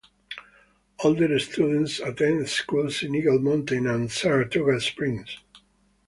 Older students attend schools in Eagle Mountain and Saratoga Springs.